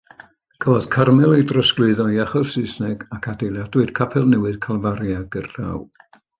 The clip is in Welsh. Cafodd Carmel ei drosglwyddo i achos Saesneg ac adeiladwyd capel newydd, Calfaria, gerllaw.